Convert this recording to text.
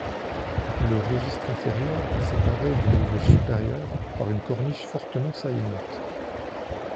Le registre inférieur est séparé du niveau supérieur par une corniche fortement saillante.